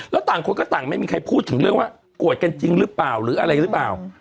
แล้วต่างคนก็ต่างไม่มีใครพูดถึงเรื่องว่าโกรธกันจริงหรือเปล่าหรืออะไรหรือเปล่า